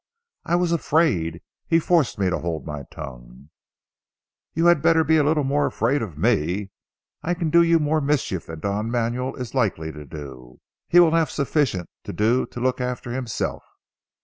"I was afraid. He forced me to hold my tongue." "You had better be a little more afraid of me. I can do you more mischief than Don Manuel is likely to do. He will have sufficient to do to look after himself.